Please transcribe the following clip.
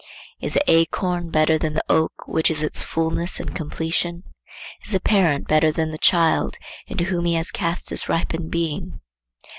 Is the acorn better than the oak which is its fulness and completion? Is the parent better than the child into whom he has cast his ripened being?